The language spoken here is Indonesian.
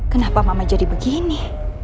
kenapa mama jadi begini